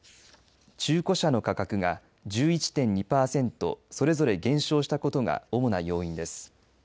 中古車の価格が１１．２パーセントそれぞれ減少したことが主な要因です。